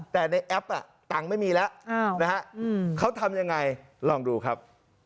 แต่ในแอปตังค์ไม่มีแล้วนะฮะเขาทำยังไงลองดูครับ